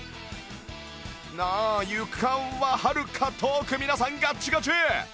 あ床ははるか遠く皆さんガッチガチ！